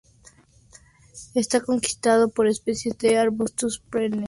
Está constituido por especies de arbustos perennes, ricos en aceites esenciales.